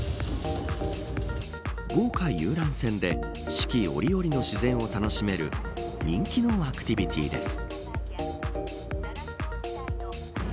豪華遊覧船で四季折々の自然を楽しめる人気のアクティビティーです。